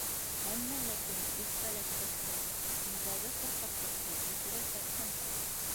— Әммә ләкин, Өф-Фәләс ҡустым, һиндәге ҡурҡаҡлыҡты бөтөрәсәкмен.